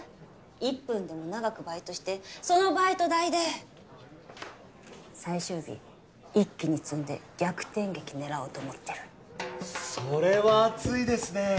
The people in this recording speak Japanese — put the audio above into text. １分でも長くバイトしてそのバイト代で最終日一気に積んで逆転劇狙おうと思ってるそれは熱いですね